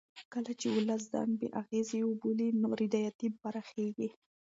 کله چې ولس ځان بې اغېزې وبولي نا رضایتي پراخېږي